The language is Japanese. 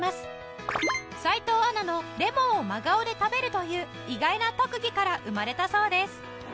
斎藤アナのレモンを真顔で食べるという意外な特技から生まれたそうです